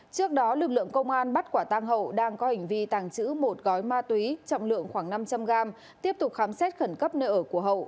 trước đó lực lượng công an bắt quả tang hậu đang có hành vi tàng trữ một gói ma túy trọng lượng khoảng năm trăm linh gram tiếp tục khám xét khẩn cấp nơi ở của hậu